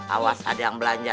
awas ada yang belanja